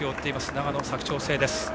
長野・佐久長聖です。